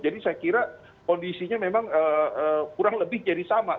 jadi saya kira kondisinya memang kurang lebih jadi sama